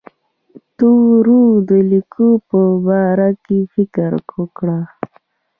تورو د لیکلو په باره کې فکر وکړ.